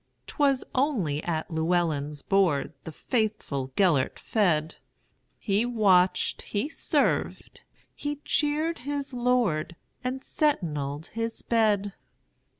'T was only at Llewelyn's boardThe faithful Gêlert fed; He watched, he served, he cheered his lord, And sentineled his bed.